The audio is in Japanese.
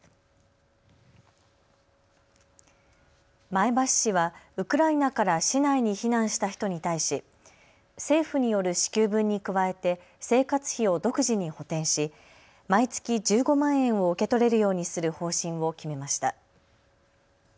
前橋市はウクライナから市内に避難した人に対し政府による支給分に加えて生活費を独自に補填し毎月１５万円を受け取れるようにする方針を決めました。